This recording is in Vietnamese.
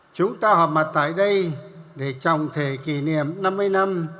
chúng ta họp mặt tại đây để trọng thể kỷ niệm năm mươi năm